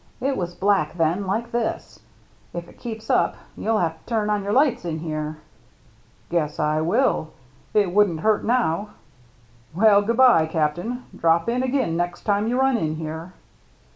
It was black then, like this. If it keeps up, you'll have to turn on your lights in here." "Guess I will. It wouldn't hurt now. Well, good by, Captain. Drop ?n again next time you run in here."